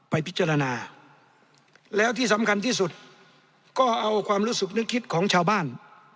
ไปพิจารณาแล้วที่สำคัญที่สุดก็เอาความรู้สึกนึกคิดของชาวบ้าน